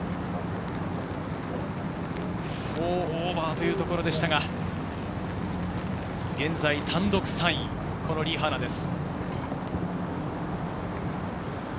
＋４というところでしたが、現在単独３位、リ・ハナです。